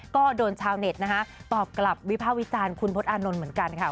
ก็โดนชาวเน็ตนะคะตอบกลับวิภาควิจารณ์คุณพจนอานนท์เหมือนกันค่ะ